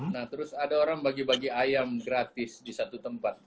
nah terus ada orang bagi bagi ayam gratis di satu tempat